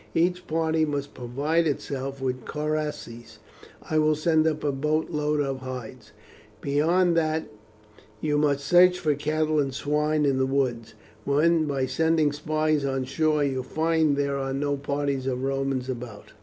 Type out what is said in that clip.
Each party must provide itself with coracles; I will send up a boat load of hides. Beyond that you must search for cattle and swine in the woods, when by sending spies on shore you find there are no parties of Romans about.